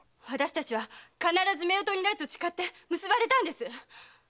私たちは必ず夫婦になると誓って結ばれたんです。